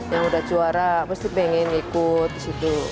yang udah juara pasti pengen ikut disitu